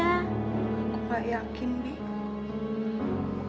aku enggak yakin bibik